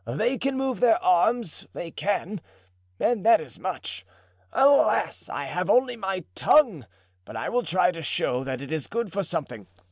They can move their arms, they can, and that is much. Alas, I have only my tongue, but I will try to show that it is good for something.